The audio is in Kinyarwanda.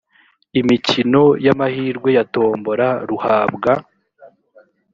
imikino y amahirwe ya tombola ruhabwa